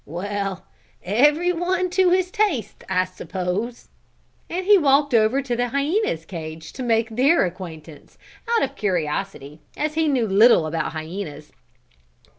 "Well, every one to his taste, I suppose," and he walked over to the hyenas' cage to make their acquaintance, out of curiosity, as he knew little about hyenas.